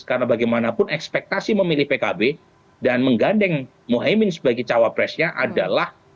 karena bagaimanapun ekspektasi memilih pkb dan menggandeng muhyamin sebagai cawapresnya adalah